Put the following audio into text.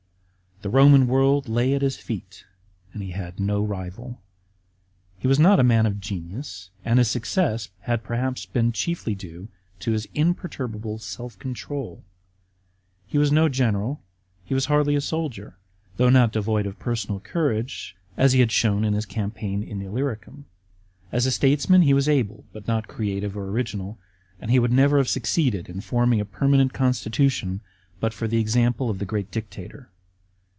The Eoman world lay at his feet and he had no rival. He was not a man of g< nius and his success had perhaps been chiefly due to his imperturbable sell control. He was no general ; he was hardly a soldier, though not devoid of person^ courage, as he had shown in his campaign in Illyricum. As a statesman he was able, but not creative or original, and he would never have succeeded in forming a permanent constitution but for the example of the great dictator.